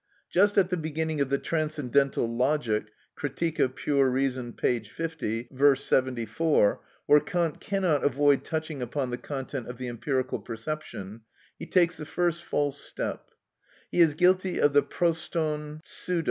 Just at the beginning of the Transcendental Logic (Critique of Pure Reason, p. 50; V. 74), where Kant cannot avoid touching upon the content of the empirical perception, he takes the first false step; he is guilty of the πρωτον ψευδος.